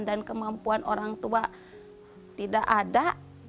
dan kemampuan orang tua tidak ada